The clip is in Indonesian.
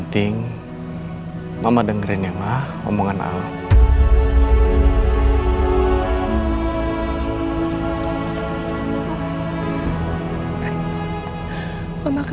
dan kamu juga akan selalu ada di dalam hatiku